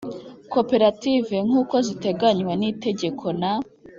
Koperative nk uko ziteganywa n itegeko n